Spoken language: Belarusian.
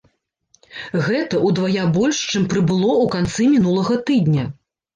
Гэта ўдвая больш, чым прыбыло ў канцы мінулага тыдня.